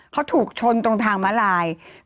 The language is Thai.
เขาถูกชนตรงทางมาลาย